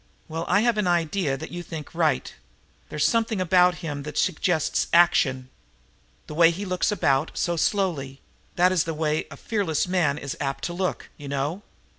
"Well, I've an idea that you think right. There's something about him that suggests action. The way he looks about, so slowly that is the way a fearless man is apt to look, you know.